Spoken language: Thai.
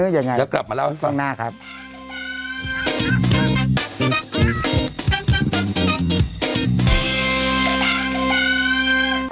ยังไงส่วนหน้าครับเดี๋ยวกลับมาแล้ว